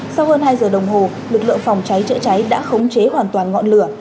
sau hơn hai giờ đồng hồ lực lượng phòng cháy chữa cháy đã khống chế hoàn toàn ngọn lửa